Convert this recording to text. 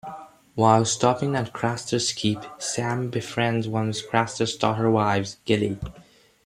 While stopping at Craster's Keep, Sam befriends one of Craster's daughter-wives, Gilly.